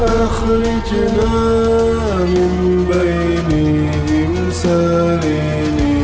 pakai gelapun lagi kerjain